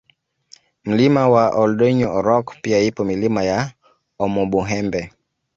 Mlima wa Oldoinyo Orok pia ipo Milima ya Omubuhembe